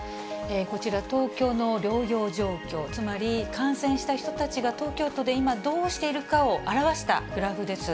こちら、東京の療養状況、つまり感染した人たちが東京都で今どうしているかを表したグラフです。